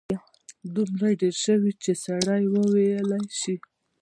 دومره ډېر شوي چې سړی ویلای شي.